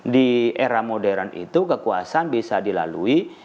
di era modern itu kekuasaan bisa dilalui